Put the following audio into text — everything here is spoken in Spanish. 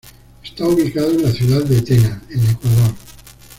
Está ubicado en la ciudad de Tena, en Ecuador.